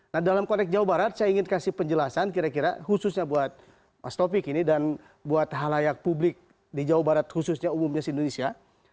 nah dalam konteks jawa barat saya ingin kasih penjelasan kira kira khususnya buat mas taufik ini dan buat halayak publik di jawa barat khususnya umumnya indonesia